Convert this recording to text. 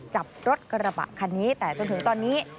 จับรถกระบะคันนี้แต่จนถึงตอนนี้